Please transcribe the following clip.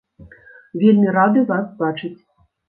Вельмі рады вас бачыць!